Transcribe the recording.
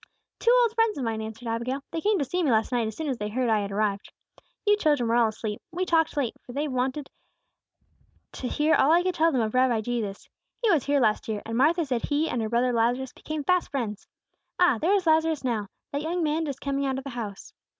"Two old friends of mine," answered Abigail. "They came to see me last night as soon as they heard I had arrived. You children were all asleep. We talked late, for they wanted to hear all I could tell them of Rabbi Jesus. He was here last year, and Martha said He and her brother Lazarus became fast friends. Ah, there is Lazarus now! that young man just coming out of the house.